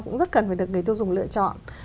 cũng rất cần phải được người tiêu dùng lựa chọn